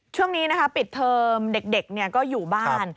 ช่วงนี้นะคะปิดเทอมเด็กก็อยู่บ้าน